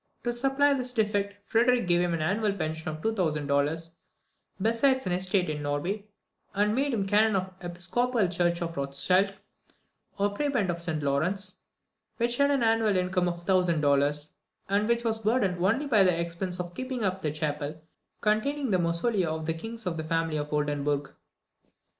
To supply this defect, Frederick gave him an annual pension of 2000 dollars, beside an estate in Norway, and made him Canon of the Episcopal Church of Rothschild, or Prebend of St Laurence, which had an annual income of 1000 dollars, and which was burdened only with the expense of keeping up the chapel containing the Mausolea of the Kings of the family of Oldenburg.